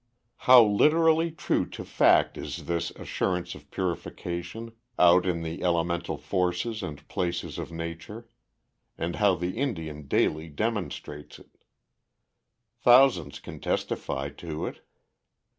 How literally true to fact is this assurance of purification out in the great elemental forces and places of Nature, and how the Indian daily demonstrates it. Thousands can testify to it.